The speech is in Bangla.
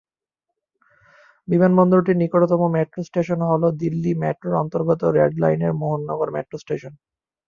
বিমানবন্দরটির নিকটতম মেট্রো স্টেশন হ'ল দিল্লি মেট্রোর অন্তর্গত রেড লাইনের মোহন নগর মেট্রো স্টেশন।